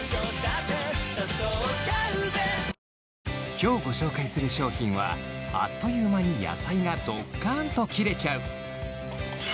今日ご紹介する商品はあっという間に野菜がドッカンと切れちゃう！